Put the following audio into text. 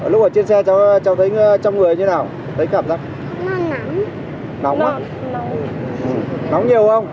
lúc nãy cô ấy có sợ không